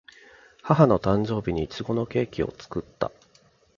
母の誕生日にいちごのケーキを作った